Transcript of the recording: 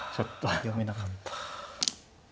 いや読めなかった。